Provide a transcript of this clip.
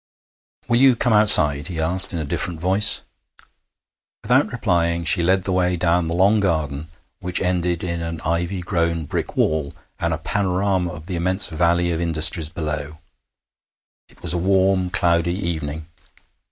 'Will you come outside?' he asked in a different voice. Without replying, she led the way down the long garden, which ended in an ivy grown brick wall and a panorama of the immense valley of industries below. It was a warm, cloudy evening.